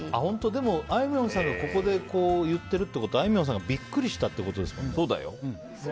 でも、あいみょんさんがここで言ってるってことはあいみょんさんがビックリしたってことですからね。